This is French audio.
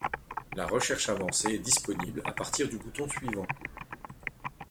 La recherche avancée est disponible à partir du bouton suivant.